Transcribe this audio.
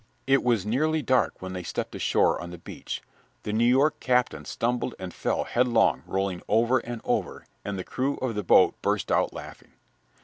It was nearly dark when they stepped ashore on the beach. The New York captain stumbled and fell headlong, rolling over and over, and the crew of the boat burst out laughing.